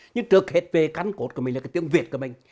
nhưng trước hết về cánh cột của mình là tiếng việt của mình